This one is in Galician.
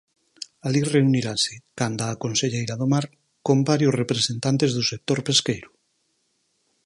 Alí reunirase, canda á conselleira do Mar, con varios representantes do sector pesqueiro.